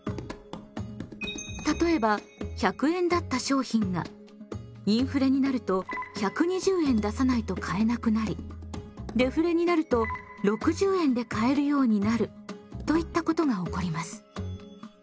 例えば１００円だった商品がインフレになると１２０円出さないと買えなくなりデフレになると６０円で買えるようになるといったことが起こります。